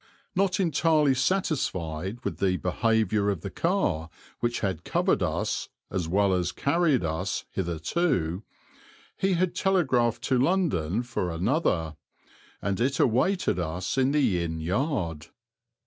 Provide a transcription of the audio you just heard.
Not entirely satisfied with the behaviour of the car which had covered us, as well as carried us, hitherto, he had telegraphed to London for another, and it awaited us in the inn yard.